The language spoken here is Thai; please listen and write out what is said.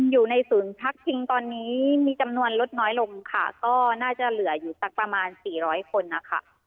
อยู่ในศูนย์พักพิงตอนนี้มีจำนวนลดน้อยลงค่ะก็น่าจะเหลืออยู่สักประมาณสี่ร้อยคนนะคะ